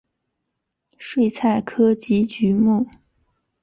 睡菜科及菊目。